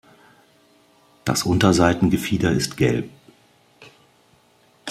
Das Unterseitengefieder ist gelb.